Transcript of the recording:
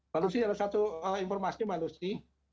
lalu sih ada satu informasi mbak lucy